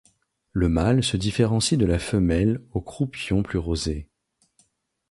Le mâle se différencie de la femelle au croupion plus rosé.